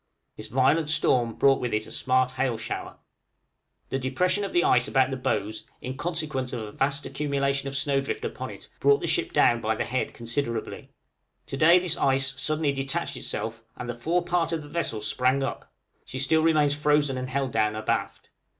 This violent storm brought with it a smart hail shower. {DISCO SIGHTED.} The depression of the ice about the bows, in consequence of a vast accumulation of snow drift upon it, brought the ship down by the head considerably; to day this ice suddenly detached itself, and the fore part of the vessel sprang up; she still remains frozen and held down abaft.